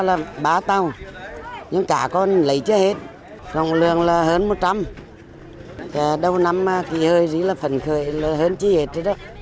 cá bẻ vàng là ba tàu nhưng cá còn lấy chưa hết trọng lượng là hơn một trăm linh đầu năm kỳ hơi dí là phần khởi hơn chứ hết